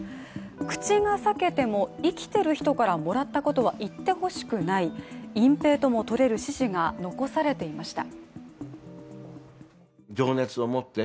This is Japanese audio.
口が裂けても生きてる人からもらったことは言ってほしくない、隠蔽ともとれる指示が残されていました。